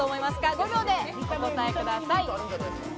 ５秒でお答えください。